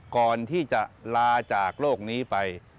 ก่อนที่จะลาจากโลกนี้ไป